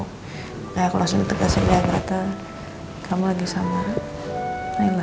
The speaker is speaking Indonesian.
kayak aku langsung ditekan sehingga ternyata kamu lagi sama laila